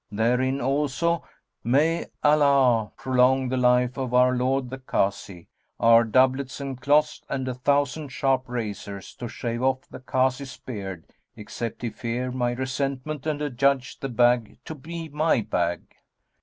Therein also (may Allah prolong the life of our lord the Kazi!) are doublets and cloths and a thousand sharp razors to shave off the Kazi's beard, except he fear my resentment and adjudge the bag to be my bag.'